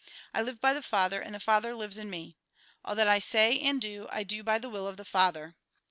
I live by the Father, and the Father lives in me. All that I say and do, I do by the will of the Father.